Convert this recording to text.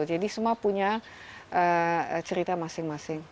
jadi semua punya cerita masing masing